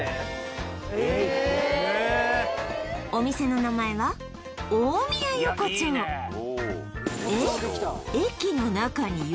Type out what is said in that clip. お店の名前は大宮横丁えっ？